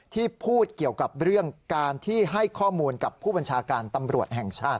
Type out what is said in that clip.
ที่พูดเกี่ยวกับเรื่องการที่ให้ข้อมูลกับผู้บัญชาการตำรวจแห่งชาติ